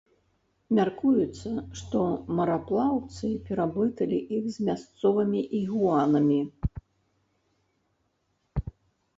Мяркуецца, што мараплаўцы пераблыталі іх з мясцовымі ігуанамі.